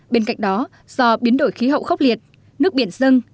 bên cạnh đó do biến đổi khí hậu khốc liệt nước biển dâng